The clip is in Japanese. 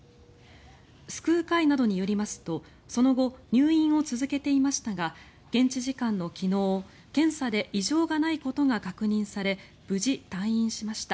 救う会などによりますとその後入院を続けていましたが現地時間の昨日検査で異常がないことが確認され無事、退院しました。